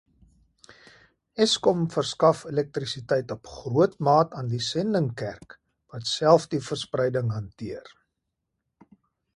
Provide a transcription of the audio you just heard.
Eskom verskaf elektrisiteit op grootmaat aan die Sendingkerk wat self die verspreiding hanteer.